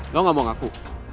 lo gak mau ngaku